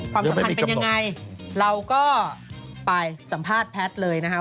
ความสำคัญเป็นอย่างไรเราก็ไปสัมภาษณ์แพทย์เลยนะครับ